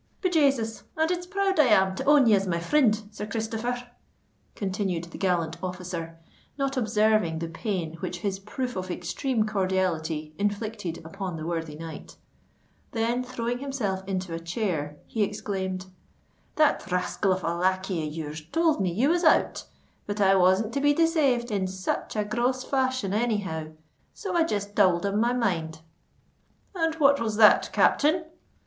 "Be Jasus! and it's proud I am to own ye as my frind, Sir Christopher!" continued the gallant officer, not observing the pain which his proof of extreme cordiality inflicted upon the worthy knight: then, throwing himself into a chair, he exclaimed, "That rascal of a lacquey of your's told me you was out; but I wasn't to be desayved in such a gross fashion any how. So I just tould him my mind—" "And what was that, captain?"